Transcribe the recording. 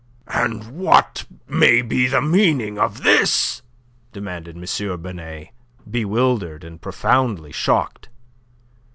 "And what may be the meaning of this?" demanded M. Binet, bewildered and profoundly shocked.